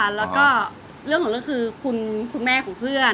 แล้วก็เรื่องของเรื่องคือคุณแม่ของเพื่อน